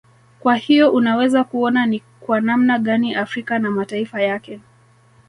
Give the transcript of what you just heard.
Kwa hiyo unaweza kuona ni kwa namna gani Afrika na mataifa yake